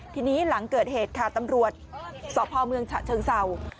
ทีนี้หลังเกิดเหตุค่ะตำรวจสพเมืองฉะเชิงเศร้า